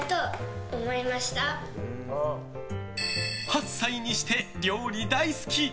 ８歳にして料理大好き！